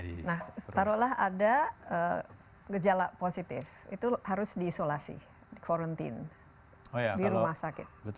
nah taruhlah ada gejala positif itu harus diisolasi di quarantine di rumah sakit